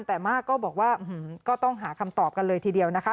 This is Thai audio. แต่มากก็บอกว่าก็ต้องหาคำตอบกันเลยทีเดียวนะคะ